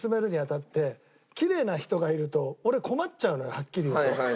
はっきり言うと。